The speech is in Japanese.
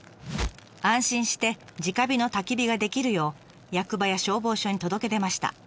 安心して直火のたき火ができるよう役場や消防署に届け出ました。